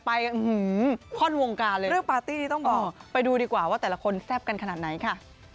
ไปอื้อหือคล่อนวงการเลยอ๋อไปดูดีกว่าว่าแต่ละคนแซ่บกันขนาดไหนค่ะ